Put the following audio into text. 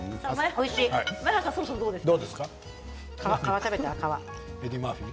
前原さんそろそろどうですか？